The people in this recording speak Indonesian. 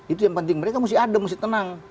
itu yang penting mereka mesti adem mesti tenang